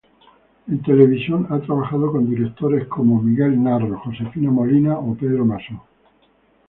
En televisión ha trabajado con directores como Miguel Narros, Josefina Molina o Pedro Masó.